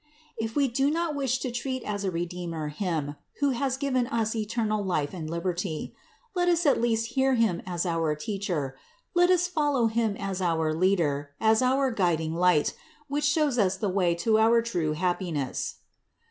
If we do not wish to treat as a Redeemer Him, who has given us eternal life and liberty, let us at least hear Him as our Teacher, let us follow Him as our Leader, as our guiding light, which shows us the way to our true hap piness.